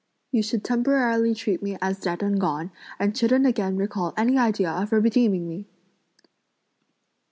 You should temporarily treat me as dead and gone, and shouldn't again recall any idea of redeeming me!"